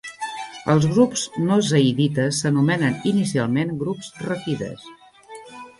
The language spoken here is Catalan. Els grups no zaidites s'anomenen inicialment grups rafides.